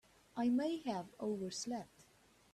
I may have overslept.